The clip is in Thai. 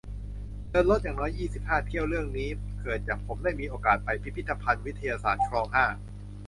เดินรถอย่างน้อย ยี่สิบห้า เที่ยว เรื่องนี้เกิดจากผมได้มีโอกาสไปพิพิธภัณฑ์ วิทยาศาสตร์ คลอง ห้า